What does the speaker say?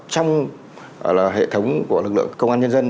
trong hệ thống của lực lượng công an nhân dân